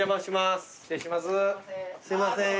すいません。